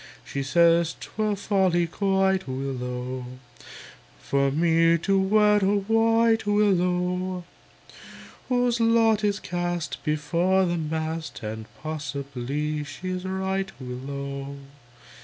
She says, "'Twere folly quite, Willow! For me to wed a wight, Willow! Whose lot is cast before the mast"; And possibly she's right, Willow!